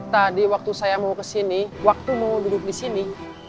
tadi waktu saya mau kesini waktu mau duduk disini